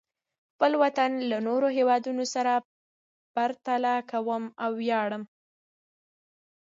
زه خپل وطن له نورو هېوادونو سره پرتله کوم او ویاړم.